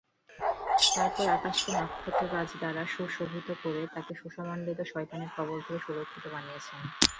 তারপর আকাশকে নক্ষত্ররাজি দ্বারা সুশোভিত করে তাকে সুষমামণ্ডিত ও শয়তানের কবল থেকে সুরক্ষিত বানিয়েছেন।